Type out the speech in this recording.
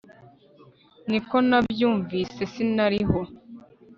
ni ko nabyumvise sinaliho